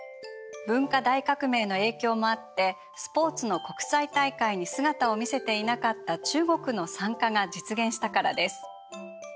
文化大革命の影響もあってスポーツの国際大会に姿を見せていなかった中国の参加が実現したからです。